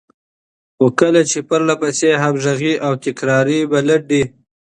خو کله چې پرلهپسې، همغږې او تکراري ملنډې،